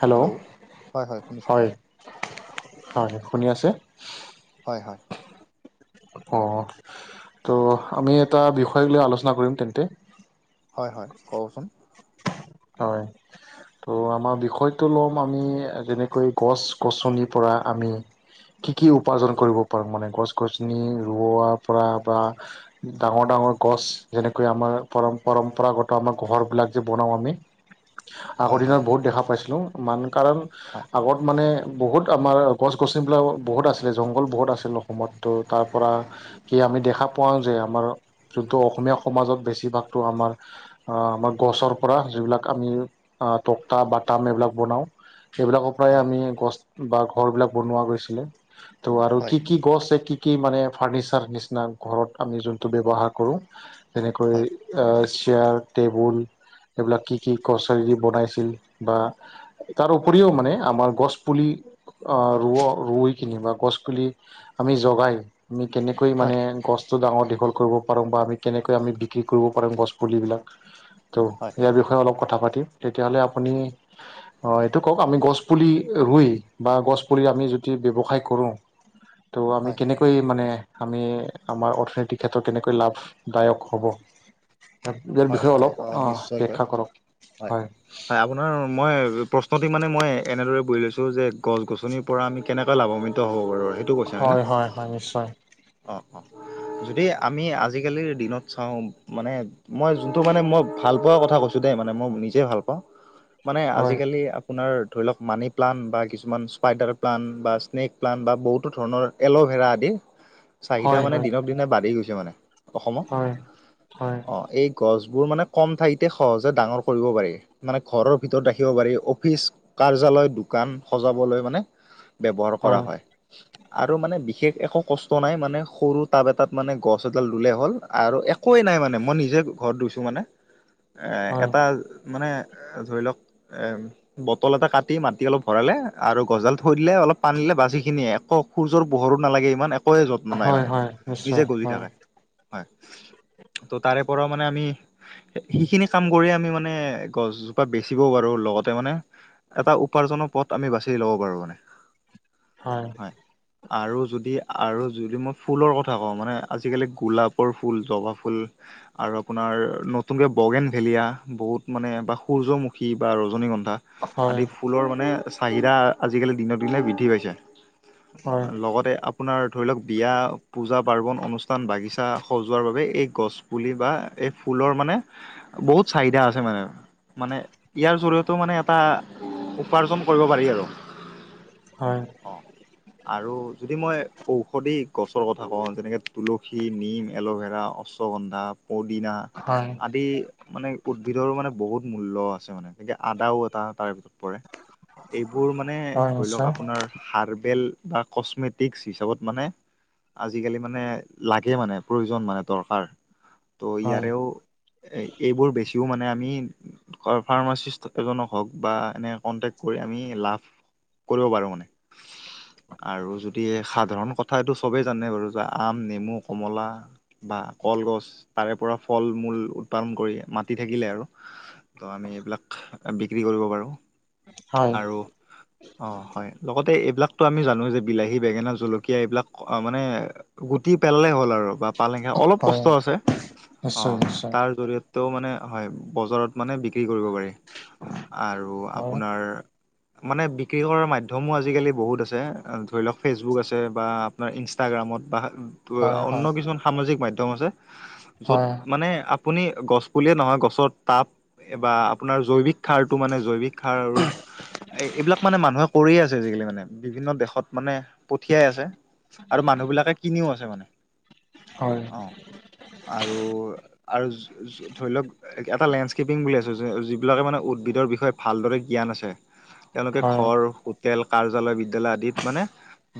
Hello হয় শুনিছোঁ হয়, হয় শুনি আছে? হয়, হয়। অ' ত' আমি এটা বিষয় লৈ আলোচনা কৰিম তেন্তে। হয়, হয় কওকচোন। হয়। ত' আমাৰ বিষয়টো ল'ম আমি যেনেকৈ গছ গছনিৰ পৰা আমি কি কি উপাৰ্জন কৰিব পাৰো মানে গছ গছনি ৰোৱাৰ পৰা বা ডাঙৰ ডাঙৰ গছ যেনেকৈ আমাৰ পৰ পৰম্পৰাগত আমাৰ ঘৰবিলাক যে বনাওঁ আমি। হয় আগৰ দিনত হয় বহুত দেখা পাইছিলো মান কাৰণ হয়। আগত মানে বহুত আমাৰ গছ গছনিবিলাক বহুত আছিলে জংঘল বহুত আছিল অসমত তো তাৰ পৰা। কি আমি দেখা পাওঁ যে আমাৰ যোনটো অসমীয়া সমাজত বেছিভাগটো আমাৰ আমাৰ গছৰ পৰা যিবিলাক আমি তক্টা, বাটাম এইবিলাক বনাওঁ। সেইবিলাকৰ পৰাই হয় আমি গছ বা ঘৰ বিলাক বনোৱা গৈছিলে ত' আৰু হয় কি কি গছে কি কি মানে ফাৰ্ণিচাৰ নিচিনা ঘৰত আমি যোনটো ব্যৱহাৰ কৰোঁ। তেনেকৈ হয় চেয়াৰ টেবুল এইবিলাক কি কি কছাৰী দি বনাইছিল বা তাৰ উপৰিও মানে আমাৰ গছপুলি ৰুৱ, ৰুই কিনি বা গছপুলি আমি জগাই আমি কেনেকৈ হয় মানে গছটো ডাঙৰ দীঘল কৰিব পাৰোঁ বা আমি কেনেকৈ আমি বিক্ৰী কৰিব পাৰোঁ গছপুলিবিলাক তো হয় ইয়াৰ বিষয়ে অলপ কথা পাতিম তেতিয়াহ'লে আপুনি অ' এইটো কওক আমি গছ পুলি ৰুই বা গছ পুলি আমি যদি ব্যৱসায় কৰোঁ ত' আমি হয় কেনেকৈ মানে আমি আমাৰ অৰ্থনৈতিক ক্ষেত্ৰত কেনেকৈ লাভদায়ক হ'ব? ইয়াৰ হয় বিষয়ে হয় অলপ অ' নিশ্চয়কৈ ব্যাখ্যা কৰক। হয়। হয় আপোনাৰ মই প্ৰশ্নটি মানে মই এনেদৰে বুজি লৈছো যে গছ গছনি পৰা আমি কেনেকৈ লাভান্বিত হ'ব পাৰো সেইটো কৈছে হয় নে? অ', অ' যদি আমি আজিকালিৰ দিনত চাওঁ মানে মই যোনটো মানে মই ভাল পোৱাৰ কথা কৈছোঁ দেই, মানে মই নিজে ভাল পাওঁ, মানে হয় আজিকালি আপোনাৰ ধৰি লওক মানিপ্লানণ্ট বা কিছুমান স্পাইডাৰ প্লান্ট বা স্নেক প্লান্ট বা বহুতো ধৰণৰ এল'ভেৰা আদি। [inaudible] চাহিদা মানে হয় দিনক দিনে বাঢ়ি গৈছে মানে অসমত। হয়, হয়। অ' এই গছবোৰ মানে কম ঠাইতে সহজে ডাঙৰ কৰিব পাৰি। মানে ঘৰৰ ভিতৰত ৰাখিব পাৰি অফিচ, কাৰ্যালয়, দোকান সজাবলৈ মানে ব্যৱহাৰ কৰা হয়। আৰু মানে বিশেষ একো কষ্ট নাই মানে সৰু টাব এটাত মানে গছ এডাল ৰুলেই হ'ল আৰু একোয়ে নাই মানে মই নিজে ঘৰত ৰুইছোঁ মানে হয় এটা মানে ধৰি লওক এ বটল এটা কাটি মাটি অলপ ভৰালে আৰু গছডাল থৈ দিলে অলপ পানী দিলে বাচ সেইখিনিয়ে একো সূৰ্যৰ পোহৰো নালাগে ইমান, একোৱে যত্ন নাই হয় মানে হয় নিশ্চয় নিজে গজি হয় থাকে হয়। ত' তাৰে পৰাও মানে আমি সেইখিনি কাম কৰিয় আমি মানে গছজোপা বেচিবও পাৰো লগতে মানে। এটা উপাৰ্জনৰ পথ আমি বাচি ল'ব পাৰো মানে। হয়। আৰু যদি আৰু যদি মই ফুলৰ কথা কওঁ মানে আজিকালি গোলাপৰ ফুল জবা ফুল। আৰু আপোনাৰ নতুনকৈ বগেন ভেলিয়া বহুত মানে বা সূৰ্যমুখী বা ৰজনীগন্ধা। হয় আদি ফুলৰ মানে চাহিদা আজিকালি দিন দিনেহে বৃদ্ধি পাইছে। হয় লগতে। আপোনাৰ ধৰি লওক বিয়া পূজা পাৰ্বণ অনুষ্ঠান বাগিচা সজোৱাৰ বাবে এই গছ। পুলি বা এই ফুলৰ মানে বহুত চাহিদা আছে মানে। মানে ইয়াৰ জৰিয়তেো মানে এটা উপাৰ্জন কৰিব পাৰি আৰু। হয়। অ আৰু যদি মই ঔষধি গছৰ কথা কওঁ যেনেকে তুলসী নিম এল'ভেৰা অশ্বগন্ধা। বা পুদিনা। হয়। আদি মানে উদ্ভিদৰো মানে বহুত মূল্ আছে মানে যেনেকে আদাও এটা তাৰে ভিতৰত। পাৰে এইবোৰ মানে হয় ধৰি লওক নিশ্চয় আপোনাৰ। হাৰ্বেল বা আকচমেটিক হিচাপত মানে। আজিকালি মানে লাগে মানে প্ৰয়োজন মানে দৰকাৰ। তো হয় ইয়াৰেও এইবোৰ বেছিও মানে আমি। ফাৰ্মাচিষ্ট এজনক হওক বা এনে কনটেক্ কৰি আমি লাভ। কৰিব পাৰো মানে। আৰু যদি সাধাৰণ কথা এইটো চবেই জানে বাৰু যে আম নেমু কমলা। বা কলগছ তাৰে পৰা ফল মূল উৎপাদন কৰি মাতি থাকিলে আৰু। তো আমি এইবিলাক বিক্ৰী কৰিব পাৰোঁ হয় আৰু। অ হয় লগতে এইবিলাকতো আমি জানো যে বিলাহী বেঙেনা জলকীয়া এইবিলাক। অ মানে গুটি পেলে হ'ল আৰু বা পালেং খা অলপ। হয় কষ্ট আছে নিশ্চয় অঁ নিশ্চয় তাৰ জৰিয়তে। ত মানে হয় বজাৰত মানে বিক্ৰী কৰিব পাৰি আৰু হয় আপোনাৰ। মানে বিক্ৰী কৰাৰ মাধ্্যমো আজিকালি বহুত আছে ধৰি লওক ফেচবুক আছে বা। আপোনাৰ ইনষ্টাগ্ৰামত বা হয় হয় অন্য কিছুমান সামাজিক মাধ্যম আছে। য'ত মানে আপুনি গছ পুলিয়ে নহয় গছৰ তাপ। এই বা আপোনাৰ জৈৱিক সাৰতটো মানে জৈৱিক সাৰ আৰু। এ এইবিলাক মানে মানুহে কৰিয়ে আছে আজিকালি মানে বিভিন্ন দেশত মানে পঠিয়াই আছে। আৰু মানুহ বিলাকে কিনিও আছে মানে। হয়। অঁ আৰু আৰু। ধৰি লওক এটা লেণ্ডস্কেপিং বুলি আছোঁ যিবিলাকে মানে উদ্ভিদৰ বিষয়ে ভালদৰে জ্ঞান আছে। তেওঁলোকে হয় ঘৰ হোটেল কাৰ্যালয় বিদ। া আিত মানে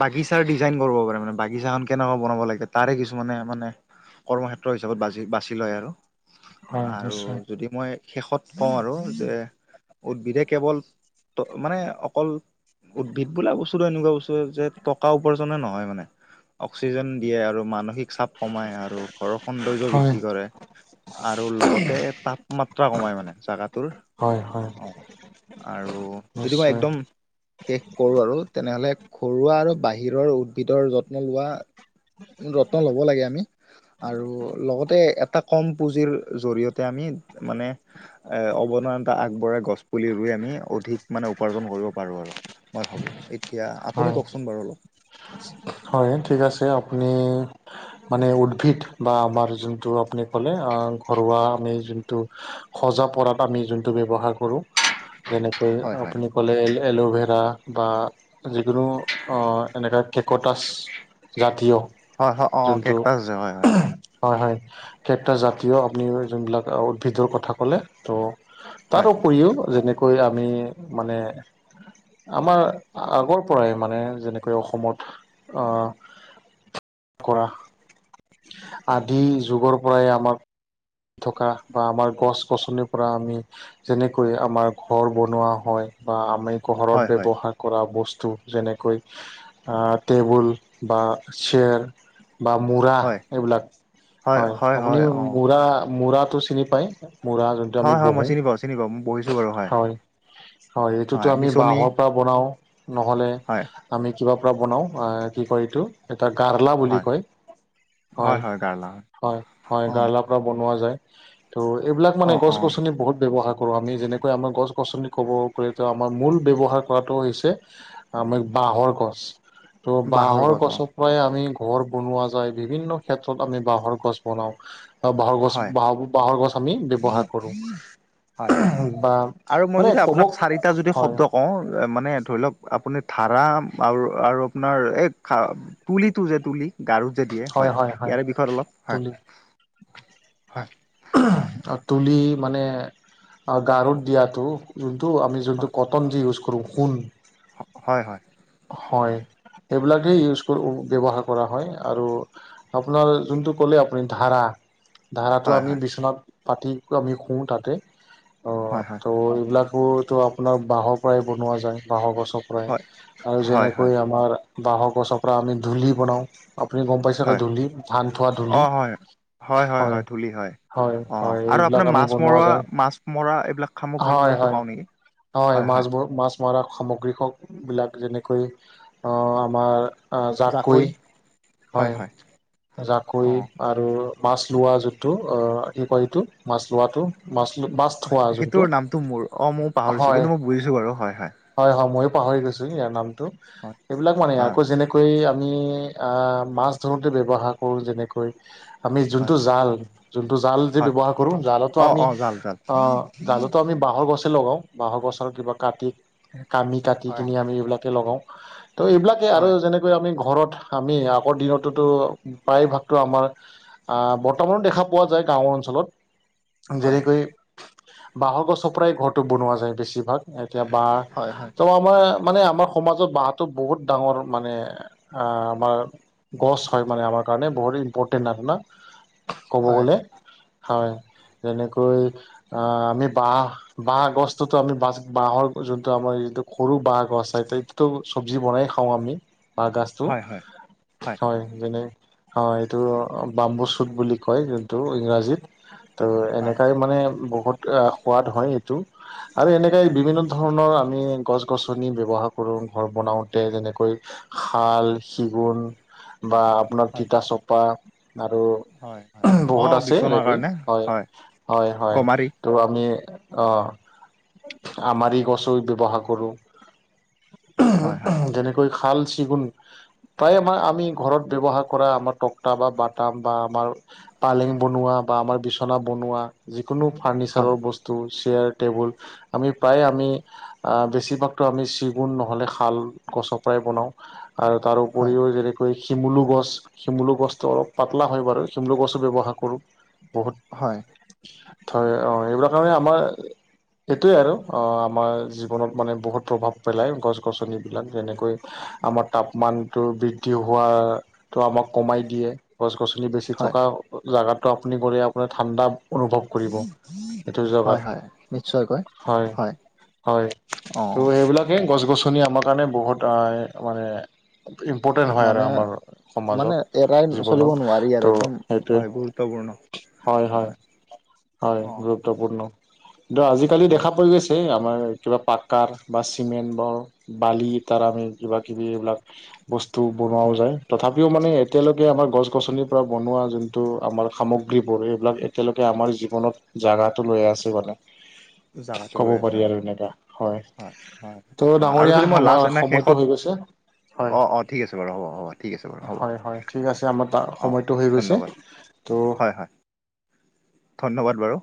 বাগিচাৰিজাইন কৰিব পাৰে মান। বাগিচাখন কেনেকুৱা বনাব লাগে তাৰে কিছুমানে মানে কৰ্মক্ষেত্ৰ হিচাপতি বাছি লয় আৰু। হয় আৰু নিশ্চয় যদি। মই শেষত কওঁ আৰু যে উদ্ভিদে কেৱল মানে অকল। উদ্ভিদ বোলা বস্তুটো এনেকুৱা বস্তুে যে। টকা উপাৰ্জনে নহয় মানে অক্সিজেন দিয়ে আৰু মানসিক চাপ। কমাই আৰু ঘৰৰ সৌন্দৰ্য হয় বৃদ্ধি কৰে। আৰু লগতে তাপমাত্ৰা কমাই মানে জাগাটোৰ। হয়, হয়। অ, আৰু যদি মই নিশ্চয় একদম শেষ কৰোঁ আৰু তেনেহ'লে, ঘৰুৱা আৰু বাহিৰৰ উদ্ভিদৰ যত্ন লোৱা যত্ন ল'ব লাগে। আৰু লগতে এটা কম পুজিৰ জৰিয়তে, আমি মানে এ, অৱনন এটা আগবঢ়াই, গছ পুলি ৰুই আমি অধিক মানে উপাৰ্জন কৰিব পাৰোঁ আৰু। মই ভাবোঁ, এতিয়া আপুনি হয় কওকচোন বাৰু অলপ। হয়, ঠিক আছে। আপুনি মানে উদ্ভিদ বা আমাৰ যোনটো আপুনি ক'লে ঘৰুৱা আমি যোনটো সজা-পৰাত আমি যোনটো ব্যৱহাৰ কৰোঁ, যেনেক কৈ হয় হয় আপুনি ক'লে, এল'ভেৰা বা যিকোনো এ কটাছ জাতীয়, হয় হয় অ যোনটো কেকটাছ যে হয় হয় হয়, হয়, কেবটা জাতীয় আপুনি যোনবিলাক উদ্ভিদৰ কথা ক'লে। ত' তাৰ হয় উপৰিও যেনেকৈ আমি মানে আমাৰ আগৰ পৰাই মানে, যেনেকৈ অসমত অ, [unintelligible] আদিম যুগৰ পৰাই আমাক থকা বা আমাৰ গছ-গছনিৰ পৰা আমি যেনেকৈ আমাৰ ঘৰ বনোৱা হয় বা আমি ঘৰত হয় হয় ব্যৱহাৰ কৰা বস্তু যেনেকৈ টেবুল বা চেয়াৰ বা মূৰা, হয় এইবিলাক হয়, আপুনিও মূৰা মূৰাটো চিনি পায়, মূৰা আমি হয় হয় মই বঢ়ো, চিনি পাওঁ চিনি পাওঁ মই পঢ়িছোঁ বাৰু হয়, হয়, এইটোটো আমি বাঁহত পৰা বনাওঁ, নহ'লে হয় আমি কিবা পৰা বনাওঁ, কি কয় এইটো এটা গাৰলা বুলি হয় কয়, হয়, হয়, হয়, অ', গাৰ্লা বনোৱা যায়, এইবিলাক মানে অ', অ', গছ-গছনি বহুত ব্যৱহাৰ কৰোঁ, আমি যেনেকৈ আমাৰ গছ-গছনি ক'ব গ'লেটো আমাৰ মূল ব্যৱহাৰ কৰাটো হৈছে আমি বাঁহৰ গছ, ত', বাঁহৰ গছ অ'। গছত হয়, আমি ঘৰ বনোৱা যায়, বিভিন্ন ক্ষেত্ৰত আমি বাঁহৰ গছ বনাওঁ। আঁ, বাঁহৰ গছ, হয় বাঁহৰ বাঁহৰ গছ আমি ব্যৱহাৰ কৰোঁ। হয়, হয়, বা আৰু মই মানে যদি ক'ব আপোনাক চাৰিটা যদি হয় শব্দ কওঁ মানে ধৰি লওক, আপুনি ধাৰা আৰু আৰু আপোনাৰ এই খা তুলিটো যে তুলি, গাৰুত যে দিয়ে, হয়, ইয়াৰে বিষয়ে অলপ তুলি হয় হয়। তুলি মানে গাৰত দিয়টো, যোনটো আমি যোনটো কটন যে ইউজ কৰো, ঊল, হয় হয় হয়। সেইবিলাকেই ইউজ কৰো ব্যৱহাৰ কৰা হয় আৰু আপোনাৰ যোনটো ক'লে আপুনি ধাৰা, ধাৰ তো হয় আমি হয় বিচনাত পাতি আমি শোওঁ তাতে, হয় হয় ত', এইবিলাক কাপোৰতো আপোনাৰ বাঁহৰ পৰাই বনোৱা যায়, বাঁহৰ গছৰ পৰাই হয় আৰু হয় হয় যেনেকৈ হয়। আমাৰ বাহৰ গছৰ পৰা আমি আমি দুলি বনাও, আপুনি গম পাইছে? হয় দুলি, ধান থোৱা দুলি, হয়। দুলি হয়। হয়, অ', হয়, আৰু এইবিলাক আপোনাৰ আমি মাছ বনোৱা মৰা যায়। মাছ মৰা এইবিলাক হয়, সামগ্ৰীবিলাকো হয়। পাওঁ নেকি? হয়, মাছবোৰ মাছ মৰা সামগ্ৰী হ বিলাক যেনেকৈ আহ আমাৰ আঁ, জাকৈ হয় জাকৈ? অ', আৰু মাছ লোৱা যোনটো অ কি কয় এইটো মাছ লোৱাটো? মাছ লো মাছ থোৱা যোনটো সেইটোৰ নামটো মোৰ অঁ মও পাহৰিছো হয়, কিন্তু মই বুজিছো বাৰু হয় হয়। হয় হয়, ময়ো পাহৰি গৈছো ইয়াৰ নামটো। এইবিলাক মানে হয় আকৌ যেনেকু, কৰি আমি আ মাছ ধৰোঁতে ব্যৱহাৰ কৰোঁ যেনেকৈ, আমি হয় যোনটো জাল? যোনটো জাল যে হয় হয় ব্যৱহাৰ কৰো? জালতো অ আমি অ জাল জাল অঁ জালটো আমি বাঁহৰ গছে লগাওঁ। বাঁহৰ গছৰ কিবা কাটি কামি, কাটি হয় কিনি আমি এইবিলাকে লগাও। ত' এইবিলাকে আৰু হয় যেনে, আমি ঘৰত আমি আগৰ দিনতোতো প্ৰায় ভাগতো আমাৰ। আহ বৰ্তমানো দেখা পোৱা যায়, গাঁওৰ অঞ্চলত। হয় যেনেকৈ, বাঁহ গছৰ পৰাই ঘৰটো বনোৱা যায় বেছিভাগ। এতিয়া বাঁহ, হয় হয় হয় আমাৰ মানে আমাৰ সমাজত বাঁহটো বহুত ডাঙৰ মানে আঁ, আমাৰ গছ হয় মানে আমাৰ কাৰণে বহুত ইম্পৰ্টেণ্ট নাতানা, ক'ব হয় গ'লে হয় যেনেকৈ, আঁ, আমি বাহ বাহ গছটোতো আমি বাছ বাঁহৰ যোনটো আমাৰ যিটো, সৰু বাঁহ গছ। [unintelligible] চব্জি বনাই খাওঁ আমি বাঁহ গাচটো। হয় হয় হয় যেনে, অঁ এইটো বাম্বু চুট বুলি কয় যোনটো ইংৰাজীত। ত' এনেকাই মানে বহুত আ সোৱাদ হয় এইটো। আৰু এনেকাই হয় বিভিন্ন ধৰণৰ, আমি গছ গছনি ব্যৱহাৰ কৰোঁ ঘৰ বনাওঁতে যেনেকৈ খাল, চিগুণ বা আপোনাৰ হয় তিতা চপা আৰু হয়। হয় অ বহুত আছে বিচনাৰ এনেকৈ কাৰণে হয় হয় হয়। গমাৰি তো আমি অঁ আমাৰি গছো ব্যৱহাৰ কৰোঁ। হয় হয় যেনেকৈ খাল চেগুণ। প্ৰায় আমাৰ আমি ঘৰত ব্যৱহাৰ কৰা আমাৰ টক্তা বা বাটাম বা আমাৰ পালেং বনোৱা বা আমাৰ বিচনা বনোৱা যিকোনো হয় ফাৰ্ণিচাৰৰ বস তো চেয়াৰ টেবুল। আমি প্ৰায় আমি আ বেছিভাগতো আমি চিগুণ নহ'লে শাল গছৰ পৰাই বনাওঁ। আৰু তাৰ হয় উপৰিও যেনেকৈ শিমুলু গছ শিমুলু গছটো অলপ পাতলা হয় বাৰু। চিমলু গছো ব্যৱহাৰ কৰোঁ বহুত। হয়। থৈ অ, এইবিলাক কাৰণে আমাৰ সেইটোৱে আৰু অ আমাৰ জীৱনত মানে বহুত প্ৰভাৱ পেলায়। গছ গছনিবিলাক যেনেকৈ আমাৰ তাপমানটো বৃদ্ধি হোৱা টো আমাক কমাই দিয়ে। গছ গছনি বেছি হয় থকা জেগাটো আপুনি গ'লে আপোনাৰ ঠাণ্ডা অনুভৱ কৰিব, এইটো হয় জেগাত। হয় নিশ্চয়কৈ হয় হয়। অ ত' সেইবিলাক [unintelligible] গছ গছনি আমাৰ কাৰণে বহুত আ মানে ইম্পৰ্টেণ্ট হয় আৰু মানে আমাৰ মানে এৰাই সমাজত চলিব জীৱনত। নোৱাৰি আৰু ত' একদম সেইটোৱে। হয় গুৰুত্বপূৰ্ণ হয় হয়, হয়। অ [unintelligible] গুৰুত্বপূৰ্ণ দ আজিকালি হয় দেখা পোৱা গৈছে আমাৰ কিবা পাক্কাৰ বা চিমেণ্ট ব বালি তাৰ আমি কিবাকিবি এইবিলাক বস্তু বনোৱাও হয় যায় তথাপিও মানে এতিয়ালৈকে আমাৰ গছ গছনি পুৰা বনোৱা যোনটো আমাৰ সামগ্ৰীবোৰ এইবিলাক এতিয়ালৈকে আমাৰ জীৱনত জাগাটো লৈ আছে মানে। [inaudible] জাগাটো কব লৈ আছে পাৰি হয় আৰু এনেকা হয়, হয় ত' অ আৰু যদি ডাঙৰীয়া মই লাষ্ট আমাৰ এনে সময়টো শেষত হৈ গৈছে হয়, অ অ ঠিক আছে বাৰু হ'ব হ'ব ঠিক আছে বাৰু হ'ব হয়, হয়, ঠিক আছে আমাৰ [unintelligible] অ সময়টো হৈ গৈছে ধন্যবাদ ত' হয় হয় ধন্যবাদ বাৰু।